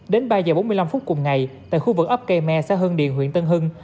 đến ba giờ bốn mươi năm phút cùng ngày tại khu vực ấp cây me xã hương điền huyện tân hưng